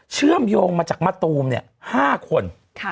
เชื่อมโยงมาจากมะตูม๕คน